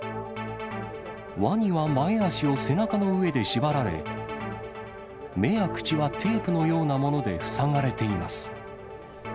ワニは前足を背中の上で縛られ、目や口はテープのようなもので塞がれています。